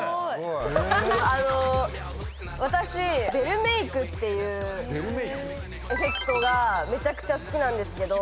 私ベルメイクっていうエフェクトがめちゃくちゃ好きなんですけど。